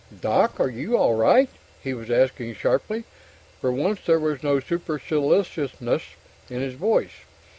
"Doc! Are you all right?" he was asking sharply. For once, there was no superciliousness in his voice.